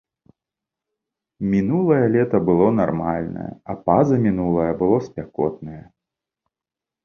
Мінулае лета было нармальнае, а пазамінулае было спякотнае.